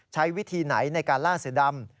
ใช้วิธีไหนในการล่าเสือดำ